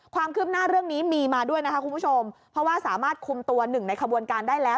ความคืบหน้าเรื่องนี้มีมาด้วยนะคะคุณผู้ชมเพราะว่าสามารถคุมตัวหนึ่งในขบวนการได้แล้ว